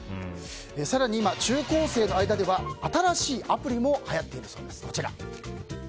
更に今、中高生の間では新しいアプリもはやっているそうです。